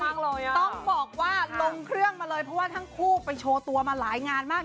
ต้องบอกว่าลงเครื่องมาเลยเพราะว่าทั้งคู่ไปโชว์ตัวมาหลายงานมาก